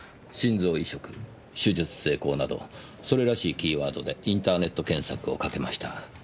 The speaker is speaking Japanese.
「心臓移植」「手術成功」などそれらしいキーワードでインターネット検索をかけました。